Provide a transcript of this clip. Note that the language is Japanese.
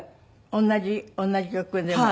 同じ同じ曲でも？